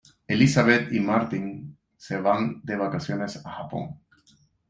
Elisabet y Martín se van de vacaciones a Japón.